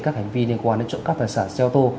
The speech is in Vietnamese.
các hành vi liên quan đến trộm cắp tài sản xe ô tô